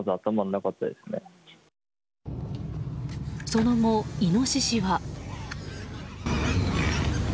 その後、イノシシは。